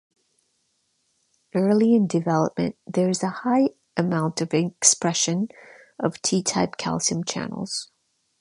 Early in development, there is a high amount of expression of T-type calcium channels.